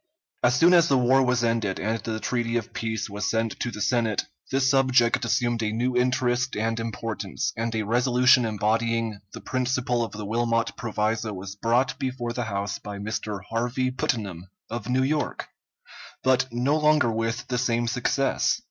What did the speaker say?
As soon as the war was ended and the treaty of peace was sent to the Senate, this subject assumed a new interest and importance, and a resolution embodying the principle of the Wilmot proviso was brought before the House by Mr. Harvey Putnam, of New York, but no longer with the same success.